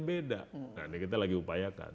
beda nah ini kita lagi upayakan